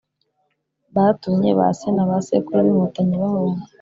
batumye ba se na ba sekuru b’inkotanyi bahunga